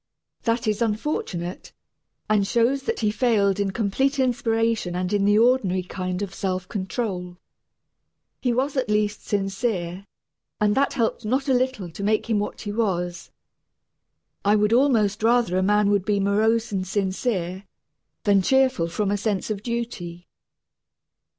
That is unfortunate, and shows that he failed in complete inspiration and in the ordinary kind of self control. He was at least sincere, and that helped not a little to make him what he was. I would almost rather a man would be morose and sincere than cheerful from a sense of duty.